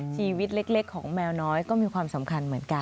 ชีวิตเล็กของแมวน้อยก็มีความสำคัญเหมือนกัน